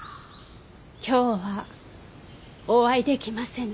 今日はお会いできませぬ。